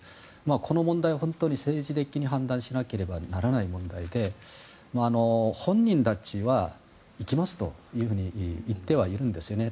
この問題は本当に政治的に判断しなければならない問題で本人たちは行きますと言ってはいるんですよね。